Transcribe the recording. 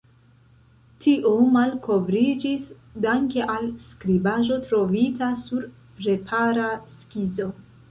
Tio malkovriĝis danke al skribaĵo trovita sur prepara skizo.